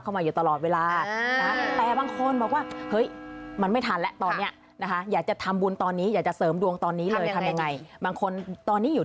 เป็นล่าศีเนทุ้นกับล่าศีถนู